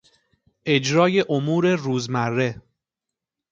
اجرای امور روزمره